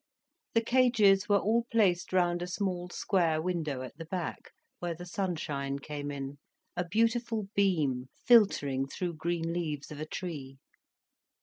The cages were all placed round a small square window at the back, where the sunshine came in, a beautiful beam, filtering through green leaves of a tree.